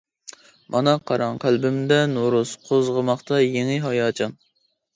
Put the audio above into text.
مانا قاراڭ قەلبىمدە نورۇز، قوزغىماقتا يېڭى ھاياجان.